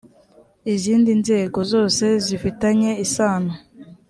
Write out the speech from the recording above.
izindi nzego zose zifitanye isano